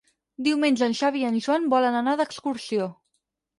Diumenge en Xavi i en Joan volen anar d'excursió.